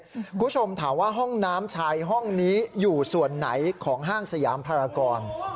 คุณผู้ชมถามว่าห้องน้ำชายห้องนี้อยู่ส่วนไหนของห้างสยามภารกร